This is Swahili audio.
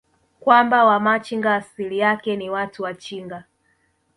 kwamba Wamachinga asili yake ni Watu wa chinga